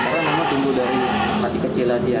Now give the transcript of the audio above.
karena memang tumbuh dari kaki kecil aja